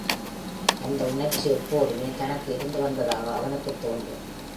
அந்த உணர்ச்சி எப்போதுமே தனக்கு இருந்து வந்ததாக அவனுக்குத் தோன்றும்.